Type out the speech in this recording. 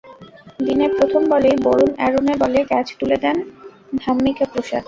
দিনের প্রথম বলেই বরুন অ্যারনের বলে ক্যাচ তুলে দেন ধাম্মিকা প্রসাদ।